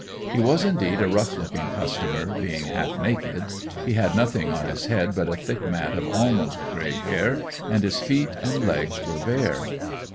He was indeed a rough looking customer, being half naked. He had nothing on his head but a thick mat of almost gray hair; and his feet and legs were bare.